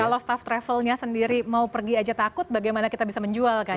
kalau staff travelnya sendiri mau pergi aja takut bagaimana kita bisa menjual kan